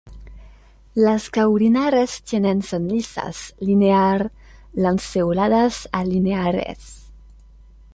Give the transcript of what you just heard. Las caulinares tienen son lisas, linear lanceoladas a lineares.